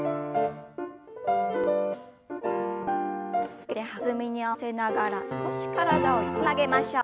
続けて弾みに合わせながら少し体を横に曲げましょう。